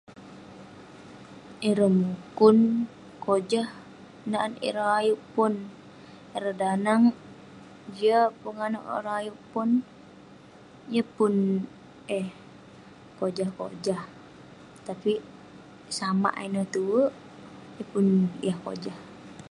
Ireh mukun, kojah nat ireh ayuk pon. Ireh danag, jiak penganouk ireh ayuk pon. Yeng pun eh kojah kojah. Tapik, samak ineh tue. Yeng pun yah kojah.